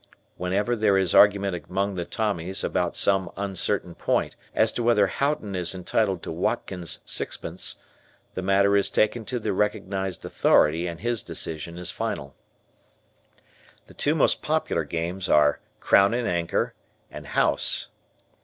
Whenever there is an argument among the Tommies about some uncertain point as to whether Houghton is entitled to "Watkins" sixpence, the matter is taken to the recognized authority and his decision is final. The two most popular games are "Crown and Anchor" and "House."